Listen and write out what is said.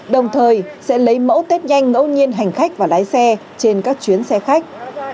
đồng thời sẽ lấy mẫu tết nhanh ngẫu nhiên hành khách và lái xe trên các chuyến xe khách